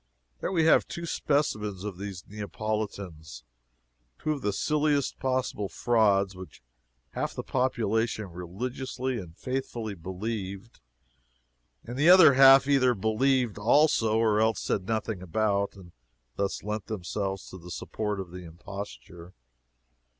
There we have two specimens of these Neapolitans two of the silliest possible frauds, which half the population religiously and faithfully believed, and the other half either believed also or else said nothing about, and thus lent themselves to the support of the imposture.